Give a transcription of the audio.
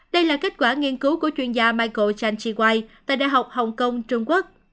đây là kết quả nghiên cứu của chuyên gia michael chan chi wai tại đại học hồng kông trung quốc